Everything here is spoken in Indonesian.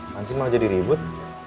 masih mau jadi ribut